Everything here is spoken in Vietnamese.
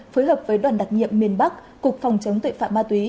phối hợp với đoàn đặc nhiệm miền bắc cục phòng chống tội phạm ma túy